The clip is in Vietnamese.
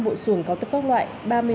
năm bộ xuồng cao tốc các loại